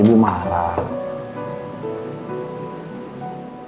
aku mau pergi